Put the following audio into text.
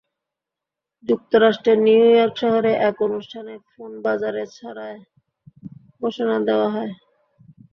যুক্তরাষ্ট্রের নিউইয়র্ক শহরে এক অনুষ্ঠানে ফোন বাজারে ছাড়ার ঘোষণা দেওয়া হয়।